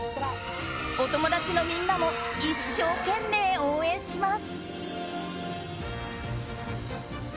お友達のみんなも一生懸命応援します。